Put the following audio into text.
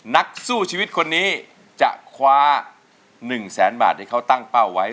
นักสู้ชีวิตคนนี้จะคว้า๑แสนบาทที่เขาตั้งเป้าไว้